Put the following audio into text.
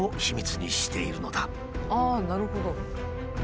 ああなるほど。